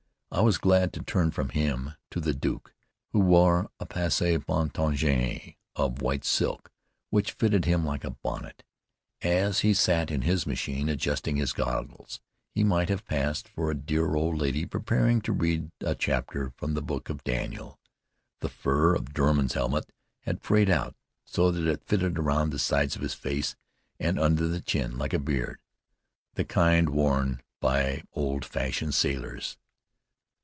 I was glad to turn from him to the Duke, who wore a passe montagne of white silk which fitted him like a bonnet. As he sat in his machine, adjusting his goggles, he might have passed for a dear old lady preparing to read a chapter from the Book of Daniel. The fur of Dunham's helmet had frayed out, so that it fitted around the sides of his face and under the chin like a beard, the kind worn by old fashioned sailors.